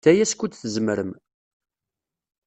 Get aya skud tzemrem.